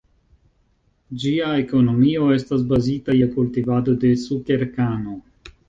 Ĝia ekonomio estas bazita je kultivado de sukerkano.